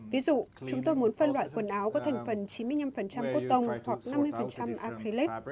ví dụ chúng tôi muốn phân loại quần áo có thành phần chín mươi năm cốt tông hoặc năm mươi akileake